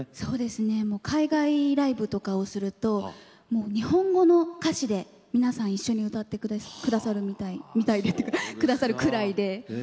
海外ライブとかすると日本語の歌詞で皆さん一緒に歌ってくださるみたいでくださるくらいで。